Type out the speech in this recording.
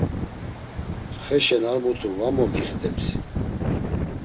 Xeşen ar mutu va mogixteps.